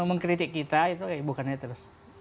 mengkritik kita itu bukan haters